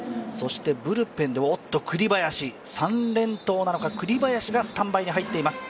ブルペンでは栗林、３連投なのか、栗林がスタンバイに入っています。